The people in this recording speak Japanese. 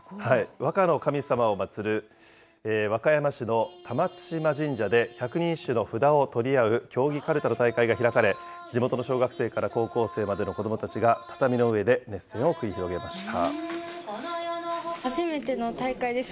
和歌の神様を祭る和歌山市の玉津島神社で百人一首の札を取り合う競技かるたの大会が開かれ、地元の小学生から高校生までの子どもたちが畳の上で熱戦を繰り広げました。